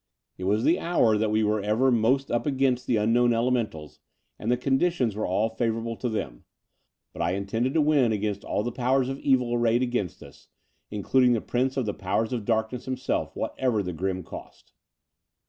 It was the hour that we are ever most up against the unknown elementals, and the conditions were all favourable to them: but I intended to win The Dower House 239 against all the powers of evil arrayed against us, including the Prince of the Powers of Darkness himself, whatever the grim cost.